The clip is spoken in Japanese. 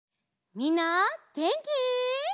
みんなげんき？